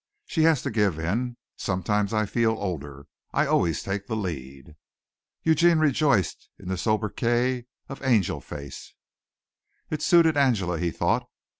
She has to give in. Sometimes I feel older I always take the lead." Eugene rejoiced in the sobriquet of Angel face. It suited Angela, he thought.